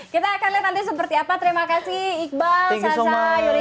kita akan lihat nanti seperti apa terima kasih iqbal shansa yuriko dan julia